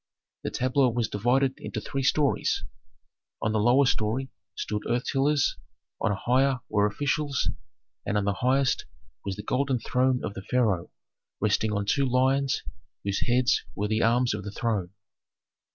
The tableau was divided into three stories; on the lower story stood earth tillers, on a higher were officials, and on the highest was the golden throne of the pharaoh resting on two lions whose heads were the arms of the throne.